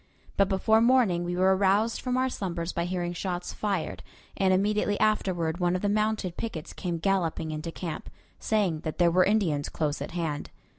But before morning we were aroused from our slumbers by hearing shots fired, and immediately afterward one of the mounted pickets came galloping into camp, saying that there were Indians close at hand.